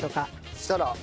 そしたら？